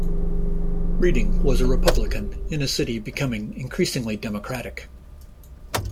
Reading was a Republican in a city becoming increasingly Democratic.